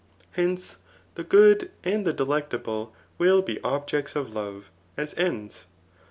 Hence, the good and the delectable will be objects of love, as ends.